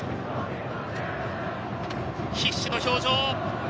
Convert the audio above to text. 必死の表情。